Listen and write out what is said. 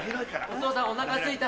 お父さんお腹すいた。